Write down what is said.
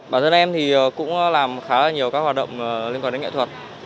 bản thân em thì cũng làm khá là nhiều các hoạt động liên quan đến nghệ thuật